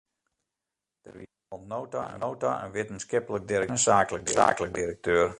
Der wienen oant no ta in wittenskiplik direkteur en in saaklik direkteur.